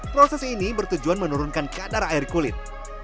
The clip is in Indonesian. proses ini bertujuan menurunkan kadar air kulit